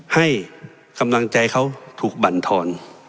ให้กำลังใจเขาถูกบรรทอน